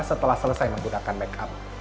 setelah selesai menggunakan make up